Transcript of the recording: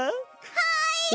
はい！